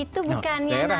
itu bukan yang nama komplek